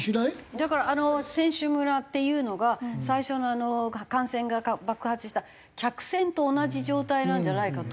だから選手村っていうのが最初の感染が爆発した客船と同じ状態なんじゃないかと。